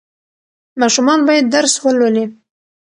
ماشومان باید درس ولولي.